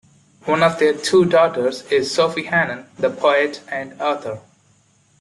One of their two daughters is Sophie Hannah, the poet and author.